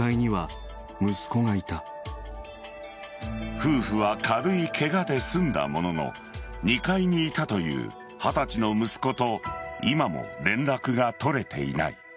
夫婦は軽いケガで済んだものの２階にいたという二十歳の息子と今も連絡が取れていない。